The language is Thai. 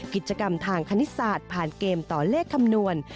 กิจกรรมทางคณิตศาสตร์ผ่านเกมต่อเลขคำนวณ